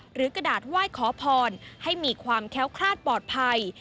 กระดาษไหว้ขอพรให้มีความแค้วคลาดปลอดภัย